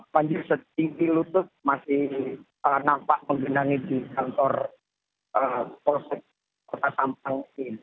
banjir setinggi lutut masih nampak menggenangi di kantor polsek kota sampang ini